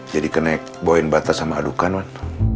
jadi kena boin batas sama adukan wan